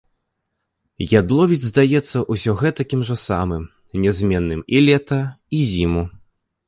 Ядловец здаецца ўсё гэтакім жа самым, нязменным і лета, і зіму.